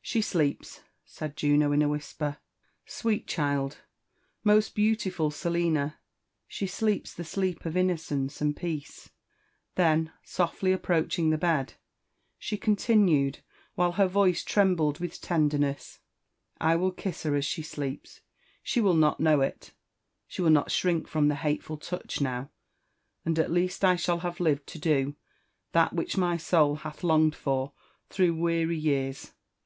She sleeps I" said Juno in a whisper }*' sweet child 1— most beau tiful Selina I — ^she sleeps the sleep of innocence and peace T'^^Tben sofUy approaching the bed, she continued, while her voice trembled with tenderness, I will kiss her as she sleeps ; she will not know it, — she will not shrink from the hateful touch now, and at least I shall have Hved to do that which my soul hath longed for through weary years.